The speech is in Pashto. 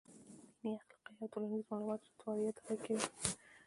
دیني، اخلاقي او ټولنیز معلومات راته وړيا ډالۍ کوي.